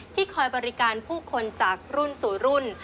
คอยบริการผู้คนจากรุ่นสู่รุ่น